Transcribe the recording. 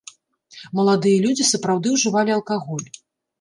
Маладыя людзі сапраўды ўжывалі алкаголь.